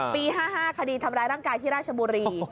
ปี๕๕คดีทำร้ายร่างกายที่ราชบุรี